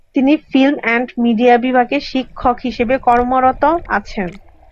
তিনি film and media বিভাগে শিক্ষক হিসেবে কর্মরত আছেন।